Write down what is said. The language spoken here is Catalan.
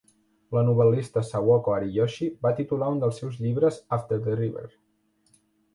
La novel·lista Sawako Ariyoshi va titular un dels seus llibres "after the river".